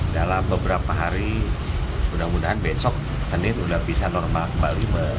dalam beberapa hari mudah mudahan besok senin sudah bisa normal kembali